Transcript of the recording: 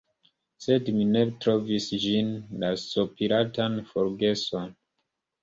Sed mi ne trovis ĝin, la sopiratan forgeson.